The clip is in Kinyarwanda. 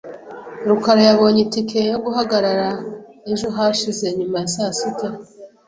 rukara yabonye itike yo guhagarara ejo hashize nyuma ya saa sita .